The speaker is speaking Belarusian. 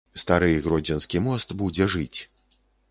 Стары гродзенскі мост будзе жыць!